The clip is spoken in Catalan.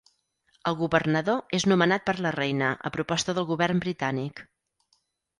El Governador és nomenat per la Reina a proposta del Govern britànic.